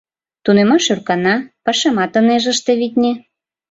Тунемаш ӧркана, пашамат ынеж ыште, витне.